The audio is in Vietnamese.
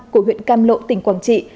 của huyện cam lộ tỉnh quảng trị